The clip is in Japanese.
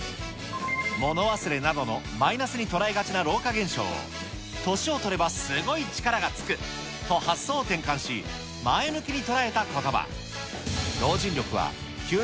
物忘れなどのマイナスに捉えがちな老化現象を年を取ればすごい力がつくと、発想を転換し、前向きに捉えたことば。